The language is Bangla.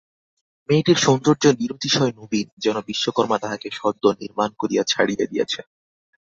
মেয়েটির সৌন্দর্য নিরতিশয় নবীন, যেন বিশ্বকর্মা তাহাকে সদ্য নির্মাণ করিয়া ছাড়িয়া দিয়াছেন।